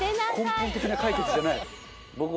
根本的な解決じゃない。